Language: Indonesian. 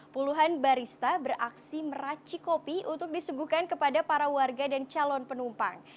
puluhan barista beraksi meraci kopi untuk disuguhkan kepada para warga dan calon penumpang